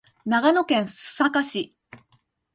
長野県須坂市